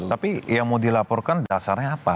tapi yang mau dilaporkan dasarnya apa